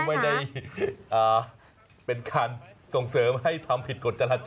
ไม่ได้เป็นการส่งเสริมให้ทำผิดกฎจราจร